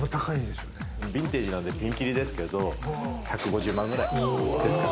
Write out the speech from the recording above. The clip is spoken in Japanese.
ヴィンテージなんでピンキリですけど、１５０万くらい。